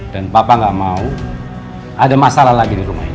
dan papa gak mau ada masalah lagi di rumah ini